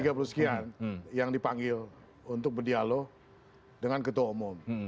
ada tiga puluh sekian yang dipanggil untuk berdialog dengan ketua umum